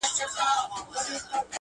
خو ماته دي سي- خپل ساقي جانان مبارک-